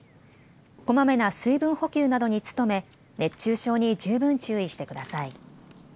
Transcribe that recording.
こまめな水分補給などに努め熱中症に十分注意してください。